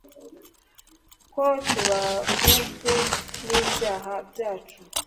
ko tubabajwe n ibyaha byacu